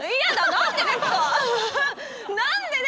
何でですか？